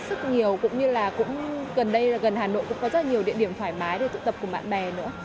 cũng như là gần đây gần hà nội cũng có rất là nhiều địa điểm thoải mái để tụ tập cùng bạn bè nữa